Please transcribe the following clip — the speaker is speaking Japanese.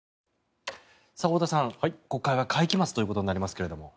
太田さん、国会は会期末ということになりますが。